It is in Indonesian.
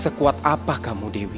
sekuat apa kamu dewi